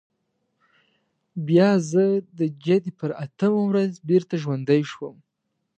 بیا زه د جدي پر اتمه ورځ بېرته ژوندی شوم.